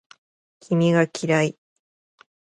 君が嫌い